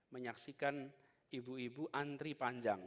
menyaksikan ibu ibu antri panjang